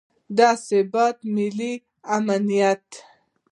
د ثبات، ملي امنیت